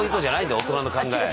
大人の考え。